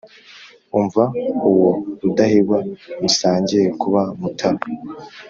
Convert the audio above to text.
Umva uwo Rudahigwa musangiye kuba Mutara,